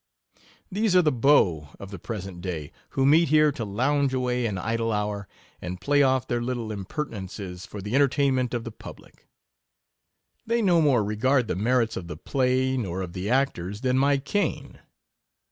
These are the beaux of the present day, who meet here to lounge away an idle hour, and play off their little impertinences for the entertainment of the public. They 20 no more regard the merits of the play, nor of the actors, than my cane.